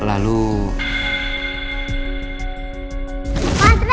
aduh duduk duduk